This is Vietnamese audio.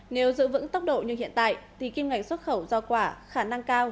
nếu giữ vững tốc độ như hiện tại thì kim ngành xuất khẩu giao quả khả năng cao